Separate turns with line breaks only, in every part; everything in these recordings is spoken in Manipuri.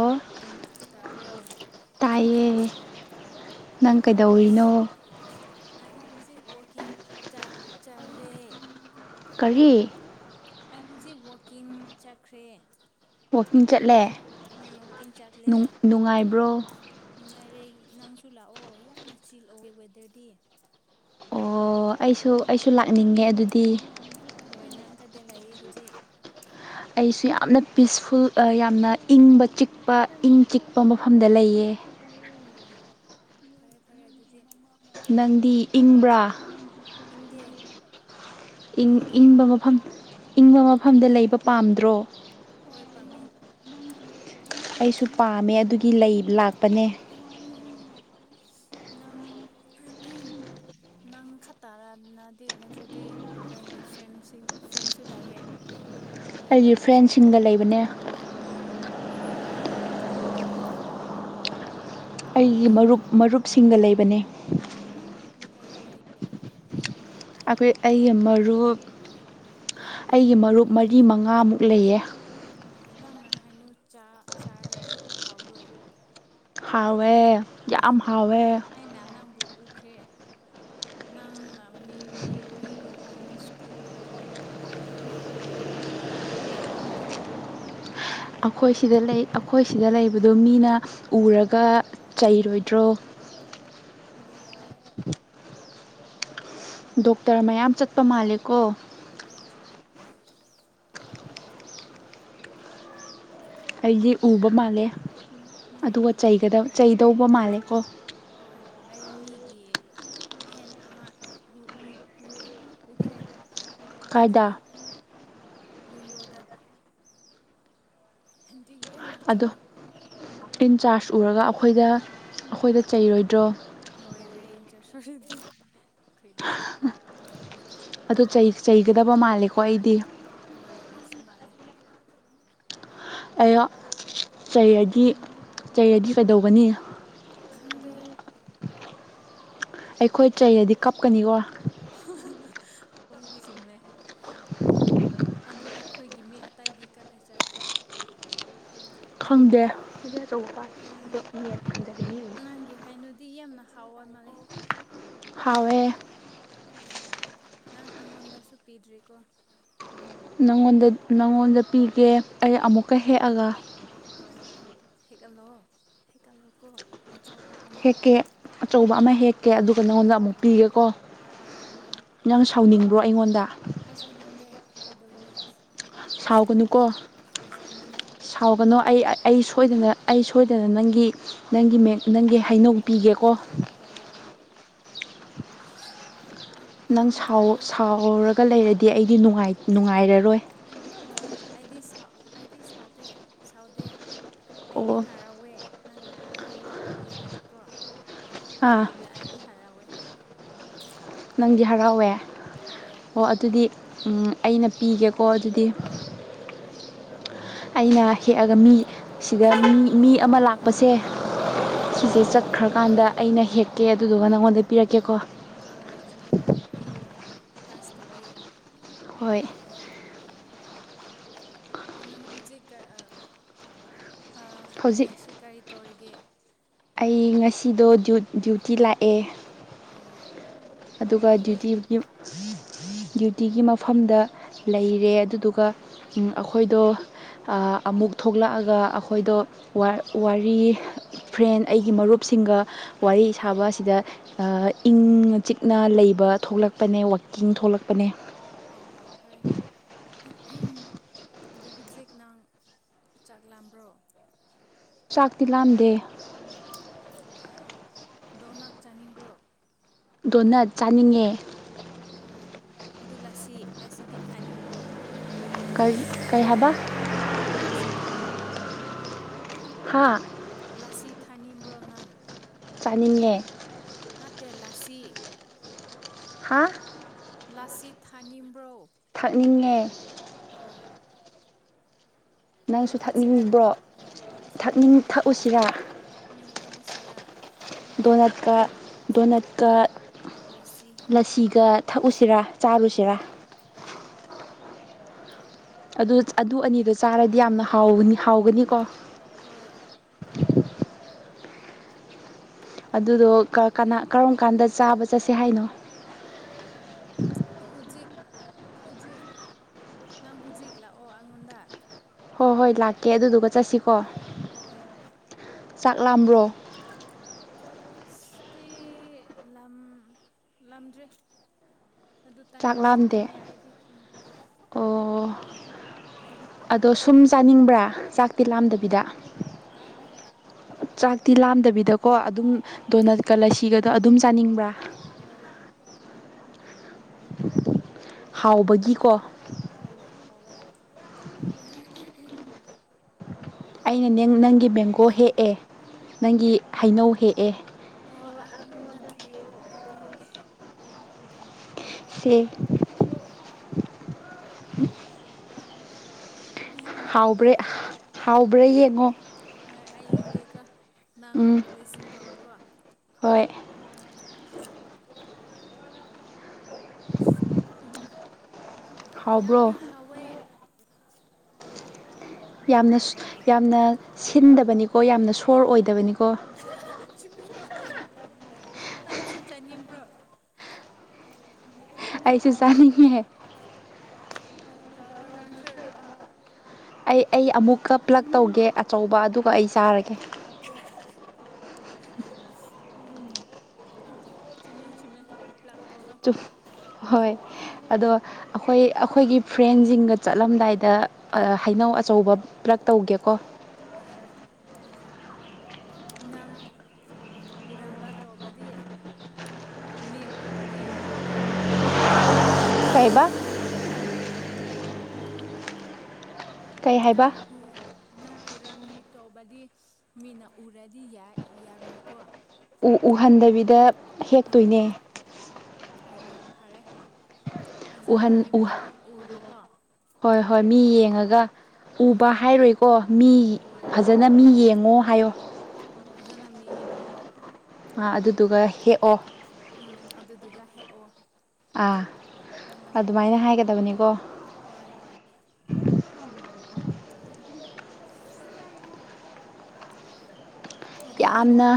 ꯑꯣ ꯇꯥꯏꯌꯦ ꯅꯪ ꯀꯩꯗꯧꯔꯤꯅꯣ
ꯋꯥꯀꯤꯡ ꯆꯥꯛ ꯆꯠꯔꯦ
ꯀꯔꯤ
ꯑꯩ ꯍꯧꯖꯤꯛ ꯋꯥꯛꯀꯤꯡ ꯆꯠꯈ꯭ꯔꯦ
ꯋꯀꯤꯡ ꯆꯠꯂꯦ ꯅꯨꯡ ꯅꯨꯡꯉꯥꯏꯕ꯭ꯔꯣ
ꯅꯪꯁꯨ ꯂꯥꯛꯑꯣ ꯌꯥꯝꯅ ꯆꯤꯜ ꯑꯣꯢꯌꯦ ꯋꯦꯗꯔꯗꯤ
ꯑꯣ ꯑꯩꯁꯨ ꯑꯩꯁꯨ ꯂꯥꯛꯅꯤꯡꯉꯦ ꯑꯗꯨꯗꯤ
ꯍꯣꯏ ꯅꯪ ꯀꯗꯥꯢ ꯂꯩꯌꯦ ꯍꯧꯖꯤꯛ
ꯑꯩꯁꯨ ꯌꯥꯝꯅ ꯄꯤꯁꯐꯨꯜ ꯌꯥꯝꯅ ꯏꯪꯕ ꯆꯤꯛꯄ ꯏꯪ ꯆꯤꯛꯄ ꯃꯐꯝꯗ ꯂꯩꯌꯦ
ꯑꯣ ꯐꯔꯦ ꯐꯔꯦ ꯑꯗꯨꯗꯤ
ꯅꯪꯗꯤ ꯏꯪꯕ꯭ꯔꯥ
ꯏꯪꯗꯦ
ꯏꯪ ꯏꯪꯕ ꯃꯐꯝ ꯏꯪꯕ ꯃꯐꯝꯗ ꯂꯩꯕ ꯄꯥꯝꯗ꯭ꯔꯣ ꯑꯩꯁꯨ ꯄꯥꯝꯃꯦ ꯑꯗꯨꯒꯤ ꯂꯩ ꯂꯥꯛꯄꯅꯦ
ꯑꯣ ꯅꯪ ꯅꯪ ꯈꯇꯔꯅꯗꯤ ꯅꯠꯇ꯭ꯔꯗꯤ ꯅꯪꯒꯤ ꯐ꯭ꯔꯦꯟꯁꯤꯡ ꯐ꯭ꯔꯦꯟꯁꯨ ꯂꯩꯑꯦ [inaudible]
ꯑꯩꯒꯤ ꯐ꯭ꯔꯦꯟꯁꯤꯡꯒ ꯂꯩꯕꯅꯦ
ꯀꯔꯤ
ꯑꯩꯒꯤ ꯃꯔꯨꯞ ꯃꯔꯨꯞꯁꯤꯡꯒ ꯂꯩꯕꯅꯦ
ꯑꯣ ꯃꯤ ꯀꯥꯏꯌꯥ ꯂꯩꯌꯦ
ꯑꯩꯈꯣꯏ ꯑꯩꯒꯤ ꯃꯔꯨꯞ ꯑꯩꯒꯤ ꯃꯔꯨꯞ ꯃꯔꯤ ꯃꯉꯥꯃꯨꯛ ꯂꯩꯌꯦ
ꯑꯣ ꯅꯪꯅ ꯍꯥꯏꯗꯨ ꯆꯞ ꯆꯥꯔꯗꯤ ꯍꯥꯎꯕ꯭ꯔꯣ
ꯍꯥꯎꯋꯦ ꯌꯥꯝ ꯍꯥꯎꯋꯦ
ꯈ꯭ꯔꯦ ꯅꯪꯅ ꯃꯤ ꯃꯤ ꯒ ꯍꯥꯏꯅꯨ ꯁꯇꯤꯜ ꯑꯣꯏꯀꯣ [inaudible]
ꯑꯩꯈꯣꯏ ꯁꯤꯗ ꯂꯩ ꯑꯩꯈꯣꯏ ꯁꯤꯗ ꯂꯩꯕꯗꯣ ꯃꯤꯅ ꯎꯔꯒ ꯆꯩꯔꯣꯏꯗ꯭ꯔꯣ
ꯌꯥꯔꯦ
ꯗꯣꯛꯇꯔ ꯃꯌꯥꯝ ꯆꯠꯄ ꯃꯥꯜꯂꯦꯀꯣ
ꯍꯣꯏ ꯆꯨꯝꯃꯦ
ꯑꯩꯗꯤ ꯎꯕ ꯃꯥꯜꯂꯦ ꯑꯗꯨꯒ ꯆꯩꯒꯗꯕ ꯆꯩꯗꯧꯕ ꯃꯥꯜꯂꯦꯀꯣ
ꯍꯦꯟ ꯑꯃ ꯎ ꯎ ꯎꯋꯦ ꯎꯈ꯭ꯔꯦ ꯑꯗꯨꯗꯤ ꯑꯩꯗꯤ ꯀꯤꯌꯦ ꯋꯤꯟꯗꯣꯗ ꯗꯤ ꯌꯥꯝꯃ ꯆꯥꯎꯋꯦ
ꯏꯟ ꯆꯥꯔꯖ ꯎꯔꯒ ꯑꯩꯈꯣꯏꯗ ꯑꯩꯈꯣꯏꯗ ꯆꯩꯔꯣꯏꯗ꯭ꯔꯣ
ꯂꯣꯏꯔꯦ [unintelligible] ꯑꯈꯣꯏꯗꯤ
ꯑꯗꯨ ꯆꯩ ꯆꯩꯒꯗꯕ ꯃꯥꯜꯂꯦꯀꯣ ꯑꯩꯗꯤ ꯑꯌꯥ ꯆꯩꯔꯗꯤ ꯆꯩꯔꯗꯤ ꯀꯩꯗꯧꯒꯅꯤ
[unintelligible]
ꯑꯩꯈꯣꯏ ꯆꯩꯔꯗꯤ ꯀꯞꯀꯅꯤꯒꯣ
ꯍꯣꯏ ꯆꯨꯝꯃꯦ ꯑꯗꯨ ꯑꯩꯈꯣꯏꯒꯤ ꯃꯤ ꯑꯇꯩꯗꯤ ꯀꯗꯥꯏ ꯆꯠꯈ꯭ꯔꯦ꯫
ꯈꯪꯗꯦ꯫ [unintelligible] [unintelligible] [unintelligible] [unintelligible]
ꯍꯥꯎꯕ ꯃꯥꯜꯂꯦ꯫
ꯍꯥꯎꯋꯦ꯫
ꯎꯝ ꯅꯪ ꯑꯩꯉꯣꯟꯗꯁꯨ ꯄꯤꯗ꯭꯭ꯔꯤꯀꯣ꯫
ꯅꯉꯣꯟꯗ ꯅꯪꯉꯣꯟꯗ ꯄꯤꯒꯦ ꯑꯩ ꯑꯃꯨꯛꯀ ꯍꯦꯛꯑꯒ꯫
ꯍꯣꯏ ꯍꯣꯏ ꯍꯦꯛꯒꯠꯂꯣ ꯍꯦꯛꯒꯜꯂꯣꯀꯣ꯫
ꯍꯦꯛꯀꯦ ꯑꯆꯧꯕ ꯑꯃ ꯍꯦꯛꯀꯦ ꯑꯗꯨꯒ ꯅꯉꯣꯟꯗ ꯑꯃꯨꯛ ꯄꯤꯒꯦꯀꯣ꯫ ꯅꯪ ꯁꯥꯎꯅꯤꯡꯕ꯭ꯔꯣ ꯑꯩꯉꯣꯟꯗ꯫
[unintelligible]
ꯁꯥꯎꯒꯅꯨꯀꯣ ꯁꯥꯎꯒꯅꯨ ꯑꯩ ꯑꯩ ꯁꯣꯏꯗꯅ ꯑꯩ ꯁꯣꯏꯗꯅ ꯅꯪꯒꯤ ꯅꯪꯒꯤ ꯃꯦꯛ ꯅꯪꯒꯤ ꯍꯩꯅꯧ ꯄꯤꯒꯦꯀꯣ꯫
ꯍꯣꯏ ꯍꯣꯏ꯫ [unintelligible]
ꯅꯪ ꯁꯥꯎ ꯁꯥꯎꯔꯒ ꯂꯩꯔꯗꯤ ꯑꯩꯗꯤ ꯅꯨꯡꯉꯥꯏ ꯅꯨꯡꯉꯥꯏꯔꯔꯣꯏ꯫
ꯍꯣꯏ ꯑꯩꯗꯤꯥ ꯁꯥꯎ ꯑꯩꯗꯤ ꯁꯥꯎꯗꯦ ꯁꯥꯎꯗꯦ ꯑꯩꯗꯤ ꯍꯔꯥꯎꯋꯦ ꯅꯪꯅ ꯑꯩꯉꯣꯟꯗ ꯄꯤꯒꯦ ꯍꯥꯏꯀꯣ ꯑꯗꯨꯅ ꯑꯩꯗꯤ ꯫ ꯍꯔꯥꯎꯋꯦ꯫
ꯅꯪꯗꯤ ꯍꯔꯥꯎꯋꯦ ꯑꯣ ꯑꯗꯨꯗꯤ ꯑꯝ ꯑꯩꯅ ꯄꯤꯒꯦꯀꯣ ꯑꯗꯨꯗꯤ꯫ ꯑꯩꯅ ꯍꯦꯛꯑꯒ ꯃꯤ ꯁꯤꯗ ꯃꯤ ꯃꯤ ꯑꯃ ꯂꯥꯛꯄꯁꯦ꯫ ꯁꯤꯁꯦ ꯆꯠꯈ꯭ꯔꯀꯥꯟꯗ ꯑꯩꯅ ꯍꯦꯛꯀꯦ ꯑꯗꯨꯗꯨꯒ ꯅꯪꯉꯣꯟꯗ ꯄꯤꯔꯛꯀꯦꯀꯣ꯫
ꯍꯣꯏ ꯆꯨꯝꯃꯦ ꯄꯤꯌꯣ ꯄꯥꯁ ꯇꯧꯕꯤꯌꯣ꯫
ꯍꯣꯏ꯫
ꯑꯗꯨ ꯅꯪ ꯍꯧꯖꯤꯛꯀ ꯑꯥ ꯉꯁꯤ ꯀꯔꯤ ꯇꯧꯔꯤꯒꯦ꯫
ꯑꯩ ꯉꯁꯤꯗꯣ ꯗ꯭ꯌꯨ ꯗ꯭ꯌꯨꯇꯤ ꯂꯥꯛꯑꯦ꯫ ꯑꯗꯨꯒ ꯗ꯭ꯌꯨꯇꯤ ꯗ꯭ꯌꯨꯇꯤꯒꯤ ꯃꯐꯝꯗ ꯂꯩꯔꯦ ꯑꯗꯨꯗꯨꯒ ꯑꯝ ꯑꯩꯈꯣꯏꯗꯣ꯫ ꯑꯥ ꯑꯃꯨꯛ ꯊꯣꯛꯂꯛꯑꯒ ꯑꯩꯈꯣꯏꯗꯣ ꯋꯥ ꯋꯥꯔꯤ ꯐ꯭ꯔꯦꯟ ꯑꯩꯒꯤ ꯃꯔꯨꯞꯁꯤꯡꯒ ꯋꯥꯔꯤ ꯁꯥꯕ ꯑꯁꯤꯗ ꯑꯥ ꯏꯪ ꯆꯤꯛꯅ ꯂꯩ ꯕ ꯊꯣꯛꯂꯛꯄꯅꯦ ꯋꯥꯀꯤꯡ ꯊꯣꯛꯂꯛꯄꯅꯦ꯫
ꯑꯗꯨ ꯍꯧꯖꯤꯛ ꯅꯪ ꯆꯥꯛ ꯂꯥꯝꯕ꯭ꯔꯣ꯫
ꯆꯥꯛꯇꯤ ꯂꯝꯗꯦ ꯫
ꯑꯣ ꯗꯣꯅꯠ ꯆꯥꯅꯤꯡꯕ꯭ꯔꯣ?
ꯗꯣꯅꯠ ꯆꯥꯅꯤꯡꯉꯦ꯫
ꯑꯗꯨ ꯂꯥꯁꯤ ꯂꯥꯁꯤꯗꯤ ꯊꯛꯅꯤꯡꯕ꯭ꯔꯣ?
ꯀꯩ ꯀꯩ ꯍꯥꯏꯕ꯫ ꯍꯥ
ꯑꯁꯤ ꯊꯛꯅꯤꯟꯕ꯭ꯔꯣ ꯅꯪ꯫
ꯆꯥꯅꯤꯡꯉꯦ꯫
ꯅꯠꯇꯦ ꯂꯥꯁꯤ
ꯍꯥ
ꯂꯥꯁꯤ ꯊꯛꯅꯤꯡꯕ꯭ꯔꯣ
ꯊꯛꯅꯤꯡꯉꯦ
ꯑꯣ
ꯅꯪꯁꯨ ꯊꯛꯅꯤꯡꯕ꯭ꯔꯣ ꯊꯛꯅꯤꯡ ꯊꯛꯎꯁꯤꯔꯥ
ꯊꯛꯎꯁꯤꯔꯥ
ꯗꯣꯅꯠꯀꯥ ꯗꯣꯅꯠꯀꯥ ꯂꯁꯤꯒ ꯊꯛꯎꯁꯤꯔꯥ ꯆꯥꯔꯨꯁꯤꯔꯥ ꯑꯗꯨ ꯑꯅꯤꯗꯣ ꯆꯥꯔꯗꯤ ꯌꯥꯝꯅ ꯍꯥꯎꯕꯅꯤ ꯍꯥꯎꯒꯅꯤꯀꯣ ꯑꯗꯨꯗꯣ ꯀꯅꯥ ꯀꯔꯝ ꯀꯥꯟꯗ ꯆꯥꯕ ꯆꯠꯁꯦ ꯍꯥꯏꯅꯣ
ꯍꯧꯖꯤꯛ ꯍꯧꯖꯤꯛ ꯅꯪ ꯍꯧꯖꯤꯛ ꯂꯥꯛꯑꯣ ꯑꯩꯉꯣꯟꯗ
ꯍꯣꯏ ꯍꯣꯏ ꯂꯥꯛꯀꯦ ꯑꯗꯨꯗꯨꯒ ꯆꯠꯁꯤꯀꯣ
ꯍꯣꯏ
ꯆꯥꯛ ꯂꯥꯝꯕ꯭ꯔꯣ
ꯑꯁꯤ ꯂꯥꯝ ꯂꯥꯝꯗ꯭ꯔꯤ ꯑꯗꯨ ꯇꯥꯏꯝ ꯄꯥꯁ ꯆꯠꯅꯤꯡꯑꯦ ꯑꯩꯗꯤ ꯎꯝ
ꯑꯣ ꯑꯗꯣ ꯁꯨꯝ ꯆꯥꯅꯤꯡꯕ꯭ꯔꯥ ꯆꯥꯛꯇꯤ ꯂꯥꯝꯗꯕꯤꯗ
ꯍꯥ
ꯆꯥꯛꯇꯤ ꯂꯥꯝꯗꯕꯤꯗꯀꯣ ꯑꯗꯨꯝ ꯗꯣꯅꯠ ꯂꯁꯤꯒꯗꯣ ꯑꯗꯨꯝ ꯆꯥꯅꯤꯡꯕ꯭ꯔꯥ ꯍꯥꯎꯕꯒꯤꯀꯣ
ꯎ ꯎꯍꯝ ꯍꯝ
ꯑꯩꯅꯅꯦ ꯅꯪꯒꯤ ꯃꯦꯡꯒꯣ ꯍꯦꯛꯑꯦ ꯅꯪꯒꯤ ꯍꯩꯅꯧ ꯍꯦꯛꯑꯦ
ꯑꯣ ꯑ ꯑꯩꯉꯣꯟꯗꯥ ꯄꯤꯌꯣ ꯑꯗꯨꯗꯤ
ꯁꯦ ꯍꯥꯎꯕ꯭ꯔꯦ ꯍꯥꯎꯕ꯭ꯔꯦ ꯌꯦꯡꯉꯣ
ꯍꯣꯏ ꯑꯩ ꯌꯦꯡꯒꯦꯀꯣ ꯅꯪ ꯂꯦꯁꯟ ꯇꯧꯔꯣꯀꯣ
ꯍꯣꯏ [inaudible]
ꯎꯝ ꯌꯥꯝꯅ ꯍꯥꯎꯋꯦ
ꯌꯥꯝꯅ ꯌꯥꯝꯅ ꯁꯤꯟꯗꯕꯅꯤꯀꯣ ꯌꯥꯝꯅ ꯁꯣꯔ ꯑꯣꯏꯗꯕꯅꯤꯀꯣ ꯀꯣ
ꯅꯪꯁꯨ ꯆꯥꯅꯤꯡꯕ꯭ꯔꯣ
ꯑꯩꯁꯨ ꯆꯥꯅꯤꯡꯑꯦ
ꯍꯣꯢ ꯆꯥꯎꯑꯣ ꯅꯪꯁꯨ ꯂꯥꯛꯑꯣ
ꯑꯩ ꯑꯩ ꯑꯃꯨꯛꯀ ꯄ꯭ꯂꯛ ꯇꯧꯒꯦ ꯑꯆꯧꯕ ꯑꯗꯨꯒ ꯑꯩ ꯆꯥꯔꯒꯦ
ꯎꯝ ꯆꯨꯝꯃꯦ ꯆꯨꯝꯃꯦ ꯄꯂ꯭ꯛ
ꯨꯆꯨꯝ ꯍꯣꯏ ꯑꯗꯣ ꯑꯩꯈꯣꯏ ꯑꯩꯈꯣꯏꯒꯤ ꯐ꯭ꯔꯦꯟꯖꯤꯡꯒ ꯆꯠꯂꯝꯗꯥꯏꯗ ꯑ ꯍꯩꯅꯧ ꯑꯆꯧꯕ ꯄ꯭ꯂꯛ ꯇꯧꯒꯦꯀꯣ
ꯅꯪ ꯍꯨꯔꯥꯟꯕ ꯇꯧꯕꯗꯤ ꯃꯤ ꯎꯕꯗꯤ ꯌꯥꯔꯣꯏꯀꯣ [inaudible]
ꯀꯩꯕꯥ
ꯅꯪ ꯍꯨ ꯅꯪ ꯍꯨꯔꯥꯟꯕꯤ ꯇꯧꯕꯗꯤ ꯃꯤꯅ ꯎꯔꯗꯤ ꯌꯥ ꯌꯥꯔꯣꯏꯀꯣ
ꯎ ꯎꯍꯟꯗꯕꯤꯗ ꯍꯦꯛꯇꯣꯏꯅꯦ
ꯑꯣ ꯑꯣ ꯐꯔꯦ ꯐꯖꯅ ꯃꯤꯕꯨ ꯎ ꯎꯔꯣꯀꯣ
ꯍꯣꯏ ꯍꯣꯏ ꯃꯤ ꯌꯦꯡꯉꯒ ꯎꯕ ꯍꯥꯏꯔꯣꯏꯀꯣ ꯃꯤ ꯐꯖꯅ ꯃꯤ ꯌꯦꯡꯉꯣ ꯍꯥꯏꯌꯣ
ꯍꯣꯏ ꯐꯖꯅ ꯃꯤ ꯌꯦꯡꯉꯣ
ꯑ ꯑꯗꯨꯗꯨꯒ ꯍꯦꯛꯑꯣ
ꯎꯝ ꯑꯗꯨꯗꯨꯒ ꯍꯦꯛꯑꯣ
ꯑꯥ ꯑꯗꯨꯃꯥꯏꯅ ꯍꯥꯏꯒꯗꯕꯅꯤꯀꯣ
ꯍꯣꯏ ꯍꯣꯏ ꯑꯗꯨ ꯍꯦꯛꯑꯣ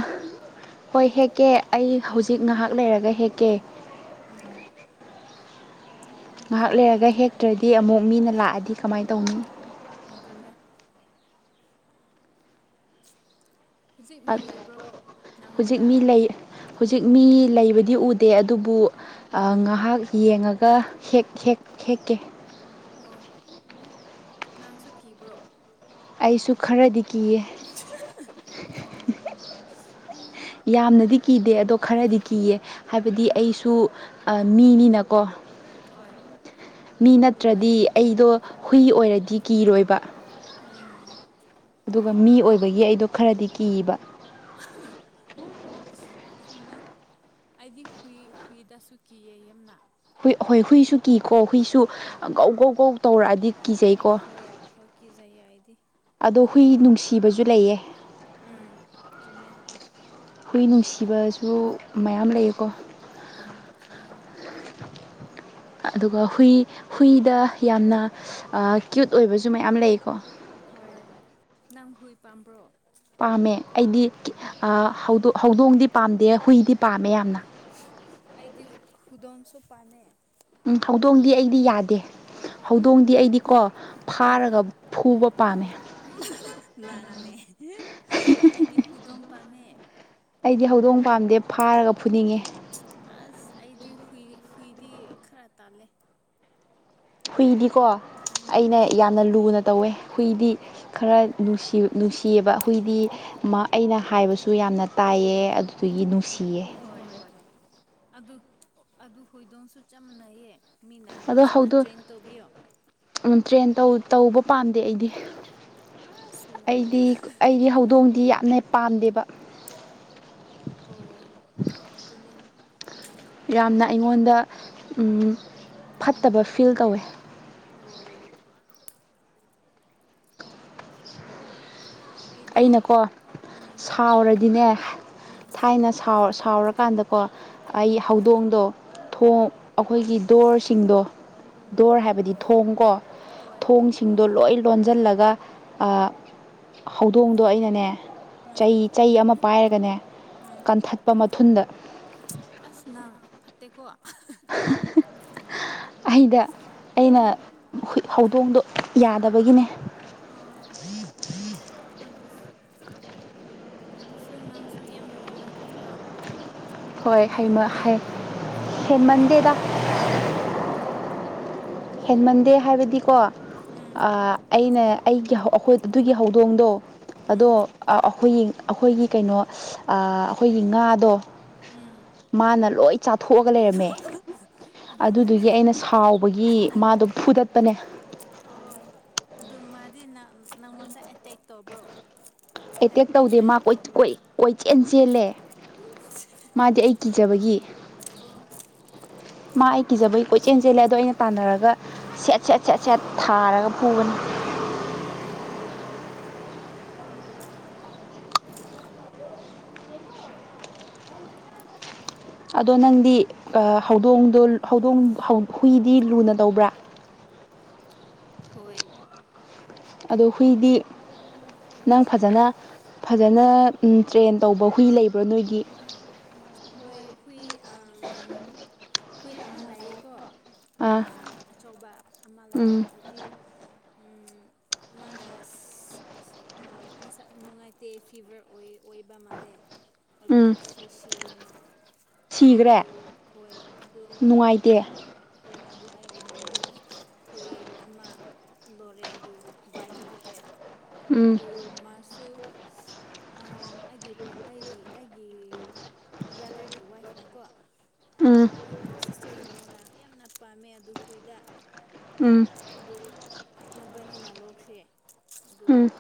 ꯍꯣꯏ ꯍꯦꯛꯀꯦ ꯑꯩ ꯍꯧꯖꯤꯛ ꯉꯍꯥꯛ ꯂꯩꯔꯒ ꯍꯦꯛꯀꯦ
ꯎꯝ
ꯉꯥꯏꯍꯥꯛ ꯂꯩꯔꯒ ꯍꯦꯛꯇ꯭ꯔꯗꯤ ꯑꯃꯨꯛ ꯃꯤꯅ ꯂꯥꯛꯑꯗꯤ ꯀꯃꯥꯏꯅ ꯇꯧꯅꯤ
ꯑꯗꯨꯅꯦ
ꯑꯠ ꯍꯧꯖꯤꯛ ꯃꯤ ꯂꯩ ꯍꯧꯖꯤꯛ ꯃꯤ ꯂꯩꯕꯗꯤ ꯎꯗꯦ ꯑꯗꯨꯕꯨ ꯑ ꯉꯥꯍꯥꯛ ꯌꯦꯡꯉꯒ ꯍꯦꯛ ꯍꯦꯛ ꯍꯦꯛꯀꯦ
ꯅꯪꯁꯨ ꯀꯤꯕ꯭ꯔꯣ
ꯑꯩꯁꯨ ꯈꯔꯗꯤ ꯀꯤꯌꯦ ꯌꯥꯝꯅꯗꯤ ꯀꯤꯗꯦ ꯑꯗꯣ ꯈꯔꯗꯤ ꯀꯤꯌꯦ ꯍꯥꯏꯕꯗꯤ ꯑꯩꯁꯨ ꯑꯥ ꯃꯤꯅꯤꯅꯀꯣ
ꯍꯣꯏ
ꯃꯤ ꯅꯠꯇ꯭ꯔꯗꯤ ꯑꯩꯗꯣ ꯍꯨꯏ ꯑꯣꯏꯔꯗꯤ ꯀꯤꯔꯣꯏꯕ
ꯎꯝ
ꯑꯗꯨꯒ ꯃꯤ ꯑꯣꯏꯕꯒꯤ ꯑꯩꯗꯣ ꯈꯔꯗꯤ ꯀꯤꯕ
[unintelligible] ꯆꯨꯝꯃꯦ ꯑꯩꯗꯤ ꯍꯨꯏ ꯍꯨꯏꯗꯁꯨ ꯀꯤꯌꯦ ꯌꯥꯝꯅ
ꯍꯨꯏ ꯍꯣꯏ ꯍꯨꯏꯁꯨ ꯀꯤ ꯀꯣ ꯍꯨꯏꯁꯨ ꯑꯥ ꯒꯧ ꯒꯧ ꯒꯧ ꯇꯧꯔꯛꯑꯗꯤ ꯀꯤꯖꯩꯀꯣ ꯑꯗꯣ ꯍꯨꯏ ꯅꯨꯡꯁꯤꯕꯖꯨ ꯂꯩꯌꯦ ꯍꯨꯏ ꯅꯨꯡꯁꯤꯕꯁꯨ ꯃꯌꯥꯝ ꯂꯩꯌꯦꯀꯣ
ꯎꯝ ꯆꯨꯝꯃꯦ ꯍꯣꯢ
ꯑꯗꯨꯒ ꯍꯨꯏ ꯍꯨꯏꯗ ꯌꯥꯝꯅ ꯑꯥ ꯀ꯭ꯌꯨꯠ ꯑꯣꯏꯕꯁꯨ ꯃꯌꯥꯝ ꯂꯩꯀꯣ
ꯍꯣꯏ ꯅꯪ ꯍꯨꯏ ꯄꯥꯝꯕ꯭ꯔꯣ
ꯄꯥꯝꯃꯦ ꯑꯩꯗꯤ ꯀꯤ ꯑꯥ ꯍꯧꯗꯣꯡ ꯍꯧꯗꯣꯡꯗꯤ ꯄꯥꯝꯗꯦ ꯍꯨꯏꯗꯤ ꯄꯥꯝꯃꯦ ꯌꯥꯝꯅ
ꯑꯩꯗꯤ ꯍꯨꯗꯣꯡꯁꯨ ꯄꯥꯝꯃꯦ
ꯎꯝ ꯍꯧꯗꯣꯡꯗꯤ ꯑꯩꯗꯤ ꯌꯥꯗꯦ ꯍꯧꯗꯣꯡꯗꯤ ꯑꯩꯗꯤꯀꯣ ꯐꯥꯔꯒ ꯐꯨꯕ ꯄꯥꯝꯃꯦ
ꯅꯪꯅꯦ ꯑꯩꯗꯤ ꯍꯨꯗꯣꯡ ꯄꯥꯝꯃꯦ
ꯑꯩꯗꯤ ꯍꯧꯗꯣꯡ ꯄꯥꯝꯗꯦ ꯐꯥꯔꯒ ꯐꯨꯅꯤꯡꯉꯦ
ꯑꯁ ꯑꯩꯗꯤ ꯍꯨꯏ ꯍꯨꯏꯗꯤ ꯈꯔ ꯇꯜꯂꯦ
ꯍꯨꯏꯗꯤꯀꯣ ꯑꯩꯅ ꯌꯥꯝꯅ ꯂꯨꯅ ꯇꯧꯋꯦ ꯍꯨꯏꯗꯤ ꯈꯔ ꯅꯨꯡꯁꯤ ꯅꯨꯡꯁꯤꯌꯦꯕ ꯍꯨꯏꯗꯤ ꯃꯥ ꯑꯩꯅ ꯍꯥꯏꯕꯁꯨ ꯌꯥꯝꯅ ꯇꯥꯏꯌꯦ ꯑꯗꯨꯗꯨꯒꯤ ꯅꯨꯡ
ꯍꯣꯏ ꯍꯣꯏ ꯑꯗꯨ ꯑꯗꯨ ꯍꯨꯏꯗꯣꯡꯁꯨ ꯆꯞ ꯃꯥꯟꯅꯩꯌꯦ ꯃꯤꯅ ꯐꯖꯅ ꯇ꯭ꯔꯦꯟ ꯇꯧꯕꯤꯌꯣ
ꯇ꯭ꯔꯦꯟ ꯇꯧ ꯇꯧꯕ ꯄꯥꯝꯗꯦ ꯑꯩꯗꯤ ꯑꯩꯗꯤ ꯑꯩꯗꯤ ꯍꯧꯗꯣꯡꯗꯤ ꯌꯥꯝꯅ ꯄꯥꯝꯗꯦꯕ
ꯑꯣ ꯑꯗꯨꯅꯦ
ꯌꯥꯝꯅ ꯑꯩꯉꯣꯟꯗ ꯎꯝ ꯐꯠꯇꯕ ꯐꯤꯜ ꯇꯧꯋꯦ
ꯑꯣ
ꯑꯩꯅꯀꯣ ꯁꯥꯎꯔꯗꯤꯅꯦ ꯊꯥꯏꯅ ꯁꯥꯎ ꯁꯥꯎꯔꯀꯥꯟꯗꯀꯣ ꯑꯩ ꯍꯧꯗꯣꯡꯗꯣ ꯊꯣꯡ ꯑꯈꯣꯏꯒꯤ ꯗꯣꯔꯁꯤꯡꯗꯣ ꯗꯣꯔ ꯍꯥꯏꯕꯗꯤ ꯊꯣꯡ ꯀꯣ ꯊꯣꯡꯁꯤꯡꯗꯣ ꯂꯣꯏ ꯂꯣꯟꯖꯜꯂꯒ ꯑꯥ ꯍꯧꯗꯣꯡꯗꯣ ꯑꯩꯅꯅꯦ ꯆꯩ ꯆꯩ ꯑꯃ ꯄꯥꯏꯔꯒꯅꯦ ꯀꯟꯊꯠꯄ ꯃ ꯊꯨꯟꯗ
ꯑꯁ ꯅꯪ ꯐꯠꯇꯦꯀꯣ
[unintelligible] ꯑꯩꯗ ꯑꯩꯅ ꯍꯨꯏ ꯍꯧ ꯗꯣꯡꯗꯣ ꯌꯥꯗꯕꯒꯤꯅꯦ
ꯑꯗꯨꯁꯨ ꯑꯗꯨꯁꯨ ꯅꯪꯁꯨ ꯌꯥꯝꯅ ꯍꯦꯟꯃꯟꯈ꯭ꯔꯦꯀꯣ
ꯍꯣꯏ ꯍꯩꯃ ꯍꯩ ꯍꯦꯟꯃꯟꯗꯦꯗ ꯍꯦꯟꯃꯟꯗꯦ ꯍꯥꯏꯕꯗꯤꯀꯣ ꯑꯥ ꯑꯩꯅ ꯑꯩꯒꯤ ꯍꯧ ꯑꯈꯣꯏ ꯑꯗꯨꯒꯤ ꯍꯧꯗꯣꯡꯗꯣ ꯑꯗꯣ ꯑꯥ ꯑꯈꯣꯏꯒꯤ ꯑꯩꯈꯣꯏꯒꯤ ꯀꯩꯅꯣ ꯑꯩꯈꯣꯏꯒꯤ ꯉꯥꯗꯣ ꯃꯥꯅ ꯂꯣꯏ ꯆꯥꯊꯣꯛꯑꯒ ꯂꯩꯔꯝꯃꯦ ꯑꯗꯨꯗꯨꯒꯤ ꯑꯩꯅ ꯁꯥꯎꯕꯒꯤ ꯐꯨꯗꯠꯄꯅꯦ
ꯃꯥꯗꯤ ꯅꯪꯉꯣꯟꯗ ꯑꯦꯇꯦꯛ ꯇꯧꯕ꯭ꯔꯣ
ꯑꯦꯇꯦꯛ ꯇꯧꯗꯦ ꯃꯥ ꯀꯣꯏ ꯀꯣꯏ ꯆꯦꯜ ꯆꯦꯜꯂꯦ ꯃꯥꯗꯤ ꯑꯩ ꯀꯤꯖꯕꯒꯤ
ꯑꯣ
ꯃꯥ ꯑꯩ ꯀꯤꯖꯕꯒꯤ ꯀꯣꯏꯆꯦꯜ ꯆꯦꯜꯂꯦ ꯑꯗꯣ ꯑꯩꯅ ꯇꯥꯟꯅꯔꯒ ꯁꯦꯠ ꯁꯦꯠ ꯁꯦꯠ ꯁꯦꯠ ꯊꯥꯔꯒ ꯐꯨꯕꯅꯤ
[inaudible]
ꯑꯗꯣ ꯅꯪꯗꯤ ꯍꯧꯗꯣꯡꯗꯣ ꯍꯧꯗꯣꯡ ꯍꯨꯏꯗꯤ ꯂꯨꯅ ꯇꯧꯕ꯭ꯔꯥ
ꯍꯣꯏ
ꯑꯗꯣ ꯍꯨꯏꯗꯤ ꯅꯪ ꯐꯖꯅ ꯐꯖꯅ ꯇ꯭ꯔꯦꯟ ꯇꯧꯕ ꯍꯨꯏ ꯂꯩꯕ꯭ꯔꯥ ꯅꯣꯏꯒꯤ
ꯍꯣꯏ ꯍꯨꯏ ꯑꯝ ꯍꯨꯏ ꯑꯃ ꯂꯩꯌꯦꯀꯣ ꯑꯆꯧꯕ ꯑꯃ ꯂꯩꯌꯦ ꯑꯗꯨꯗꯤ ꯃꯥꯅ ꯃꯁꯛ ꯅꯨꯡꯉꯥꯏꯇꯦ ꯐꯤꯕꯔ ꯑꯣꯏꯌꯦ ꯑꯣꯏꯕ ꯃꯥꯜꯂꯦ ꯑꯗꯨꯗ ꯁꯤ ꯁꯤꯔꯦ ꯃꯥ ꯑꯗꯨ ꯍꯣꯏ ꯑꯗꯨ ꯍꯣꯏ ꯑꯗꯨ ꯑꯩꯒꯤ ꯃꯃꯥꯅ ꯍꯨꯏ ꯑꯃ ꯂꯣꯔꯦ ꯑꯗꯨ ꯕꯥꯏ ꯇꯧꯈ꯭ꯔꯦ ꯑꯗꯨ ꯃꯥꯁꯨ ꯑꯩꯒꯤ ꯑꯩꯗꯤ ꯑꯩꯒꯤ ꯕ꯭ꯔꯥꯗꯔꯒꯤ ꯋꯥꯏꯐꯅꯀꯣ ꯑꯁꯤ ꯆꯩꯅꯣꯅ ꯌꯥꯝꯅ ꯄꯥꯝꯃꯦ ꯑꯗꯨ ꯍꯨꯏꯗ
ꯎꯝ
ꯃꯕꯅꯤꯅ ꯂꯧꯈ꯭ꯔꯦ
ꯎꯝ